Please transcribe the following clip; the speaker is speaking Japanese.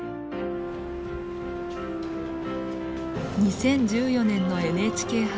２０１４年のＮＨＫ杯。